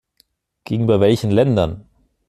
Gegenüber welchen Ländern?